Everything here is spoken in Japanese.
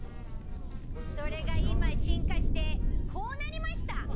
それが今、進化して、こうなりました。